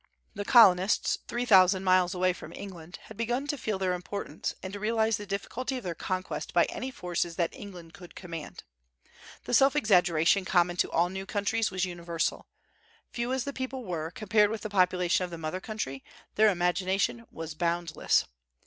The Colonists three thousand miles away from England had begun to feel their importance, and to realize the difficulty of their conquest by any forces that England could command. The self exaggeration common to all new countries was universal. Few as the people were, compared with the population of the mother country, their imagination was boundless.